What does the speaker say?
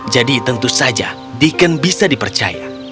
jadi tentu saja deacon bisa dipercaya